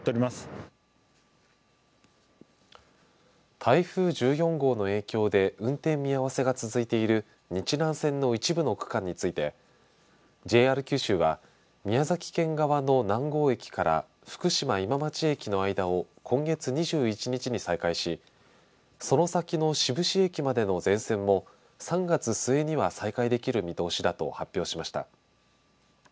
台風１４号の影響で運転見合わせが続いている日南線の一部の区間についてＪＲ九州は宮崎県側の南郷駅から福島今町駅の間を今月２１日に再開しその先の志布志駅までの全線も３月末には再開できる見通しだと発表しました。